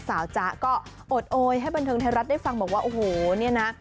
จ๊ะก็โอดโอยให้บันเทิงไทยรัฐได้ฟังบอกว่าโอ้โหเนี่ยนะ